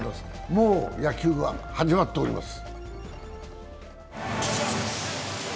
もう野球が始まっております。